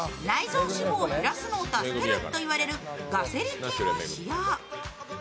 内臓脂肪を減らすのを助けるといわれるガセリ菌を使用。